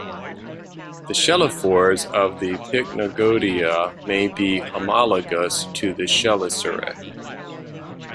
The chelifores of the Pycnogonida may be homologous to chelicerae.